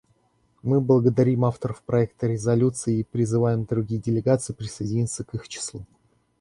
Мы благодарим авторов проекта резолюции и призываем другие делегации присоединиться к их числу.